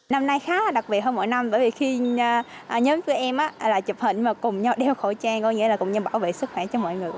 năm nay khá là đặc biệt hơn mỗi năm bởi vì khi nhóm của em là chụp hình mà cùng nhau đeo khẩu trang gọi nghĩa là cùng nhau bảo vệ sức khỏe cho mọi người